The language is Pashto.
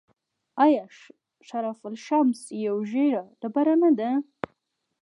آیا شرف الشمس یوه ژیړه ډبره نه ده؟